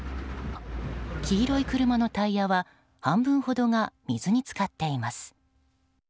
黄色い車のタイヤは半分ほどが水に浸かっています。